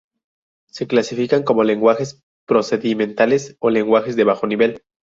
Se clasifican como lenguajes procedimentales o lenguajes de bajo nivel.